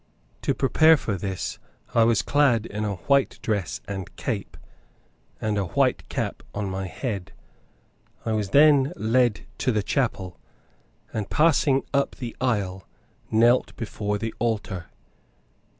To prepare for this, I was clad in a white dress and cape, and a white cap on my head. I was then led to the chapel, and passing up the aisle, knelt before the altar.